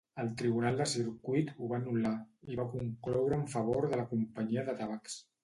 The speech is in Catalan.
El Tribunal de circuit ho va anul·lar i va concloure en favor de la companyia de tabacs.